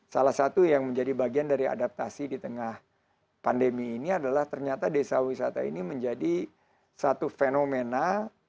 salah satu yang menjadi bagian dari adaptasi di tengah pandemi ini adalah ternyata desa wisata ini menjadi satu fenomena